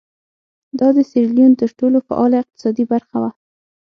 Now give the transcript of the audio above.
دا د سیریلیون تر ټولو فعاله اقتصادي برخه وه.